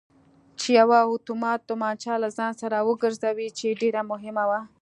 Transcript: چې یوه اتومات تومانچه له ځان سر وګرځوي چې ډېره مهمه وه.